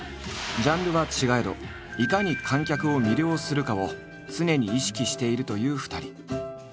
ジャンルは違えどいかに観客を魅了するかを常に意識しているという２人。